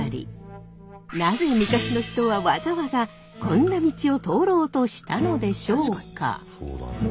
なぜ昔の人はわざわざこんな道を通ろうとしたのでしょうか？